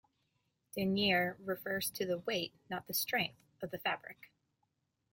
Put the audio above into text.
Denier refers to the weight, not the strength, of the fabric.